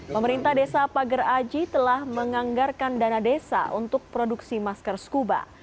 pemerintah desa pager aji telah menganggarkan dana desa untuk produksi masker scuba